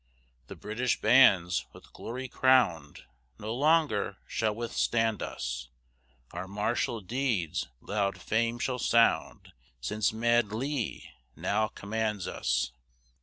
The British bands with glory crown'd, No longer shall withstand us; Our martial deeds loud fame shall sound Since mad Lee now commands us.